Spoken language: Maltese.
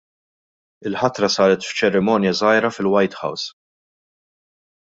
Il-ħatra saret f'ċerimonja żgħira fil-White House.